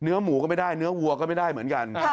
หมูก็ไม่ได้เนื้อวัวก็ไม่ได้เหมือนกัน